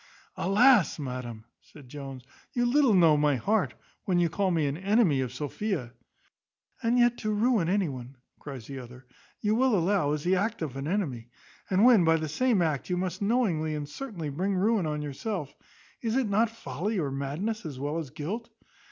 "Alas, madam!" said Jones, "you little know my heart, when you call me an enemy of Sophia." "And yet to ruin any one," cries the other, "you will allow, is the act of an enemy; and when by the same act you must knowingly and certainly bring ruin on yourself, is it not folly or madness, as well as guilt?